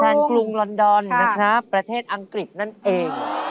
กรุงลอนดอนนะครับประเทศอังกฤษนั่นเอง